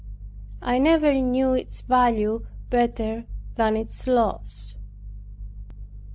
I never knew its value better than its loss.